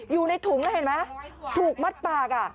อยู่ในถุงแล้วเห็นไหมถูกมัดปาก